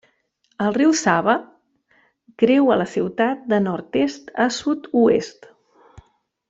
El riu Saba creua la ciutat de nord-est a sud-oest.